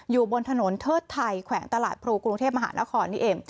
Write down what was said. อยู่บนถนนเทิดไทยแขวงตลาดพลูกรุงเทพมหานครนี่เอง